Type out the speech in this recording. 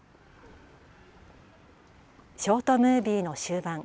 ショートムービーの終盤。